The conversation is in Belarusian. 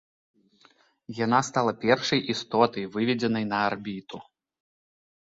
Яна стала першай істотай, выведзенай на арбіту.